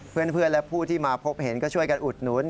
เพื่อนและผู้ที่มาพบเห็นก็ช่วยกันอุดหนุน